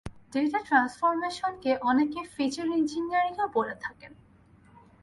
Data ট্রান্সফরমেশনকে অনেকে feature ইঞ্জিনিয়ারিংও বলে থাকেন।